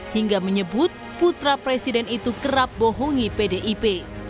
hingga menyebut putra presiden itu kerap bohongi pdip